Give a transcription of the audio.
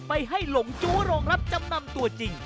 ไปให้หลงจู้โรงรับจำนำตัวจริง